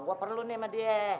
gue perlu nih sama dia